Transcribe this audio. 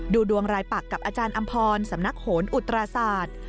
ดวงรายปักกับอาจารย์อำพรสำนักโหนอุตราศาสตร์